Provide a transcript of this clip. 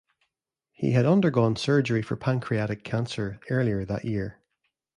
He had undergone surgery for pancreatic cancer earlier that year.